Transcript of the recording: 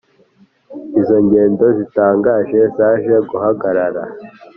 Izo ngendo zitangaje zaje guhagarara.